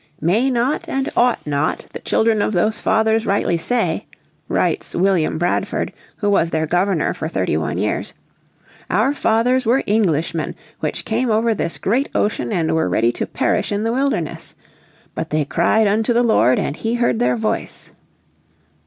"May not and ought not the children of those fathers rightly say," writes William Bradford, who was their Governor for thirty one years, "our fathers were Englishmen which came over this great ocean and were ready to perish in the wilderness? But they cried unto the Lord and He heard their voice."